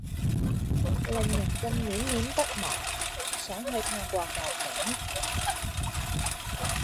令人更戀戀不忘，想去探過究竟！